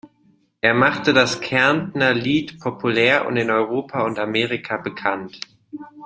Er machte das Kärntner Lied populär und in Europa und Amerika bekannt.